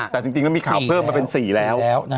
แต่จริงแล้วมีข่าวเพิ่มมาเป็น๔แล้ว